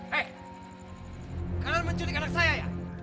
hei kalian menculik anak saya ya